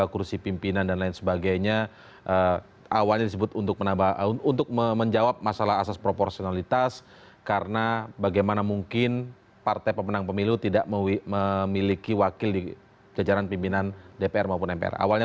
oke setelah kita berbicara tentang hal apas eskal